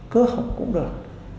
cơ học cũng được